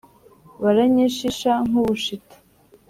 baranyishisha nk'ubushita